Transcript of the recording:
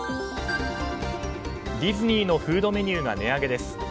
ディズニーのフードメニューが値上げです。